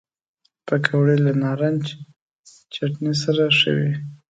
پکورې له نارنج چټني سره ښه وي